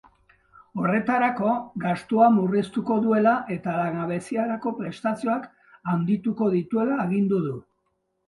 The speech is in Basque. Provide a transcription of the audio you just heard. Horretarako, gastua murriztuko duela eta langabeziarako prestazioak handituko dituela agindu du.